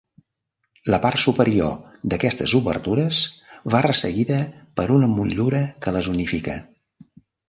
La part superior d'aquestes obertures va resseguida per una motllura que les unifica.